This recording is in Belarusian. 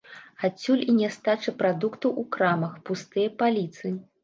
Адсюль і нястача прадуктаў у крамах, пустыя паліцы.